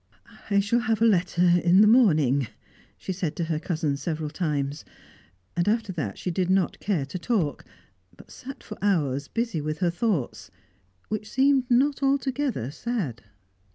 "I shall have a letter in the morning," she said to her cousin, several times; and after that she did not care to talk, but sat for hours busy with her thoughts, which seemed not altogether sad.